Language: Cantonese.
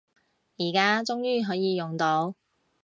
而家終於可以用到